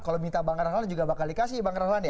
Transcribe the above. kalau minta bang rahlan juga bakal dikasih bang rahlan ya